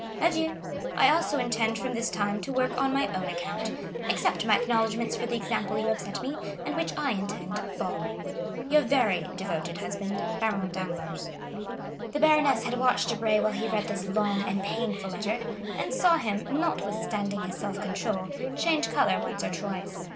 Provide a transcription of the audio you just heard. Adieu! I also intend from this time to work on my own account. Accept my acknowledgments for the example you have set me, and which I intend following. "'Your very devoted husband, "'Baron Danglars.'" The baroness had watched Debray while he read this long and painful letter, and saw him, notwithstanding his self control, change color once or twice.